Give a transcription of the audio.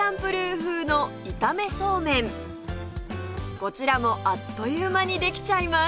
こちらもあっという間にできちゃいます！